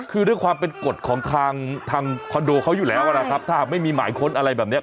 คือด้วยความเป็นกฎของทางคอนโดเขาอยู่แล้วนะครับถ้าหากไม่มีหมายค้นอะไรแบบนี้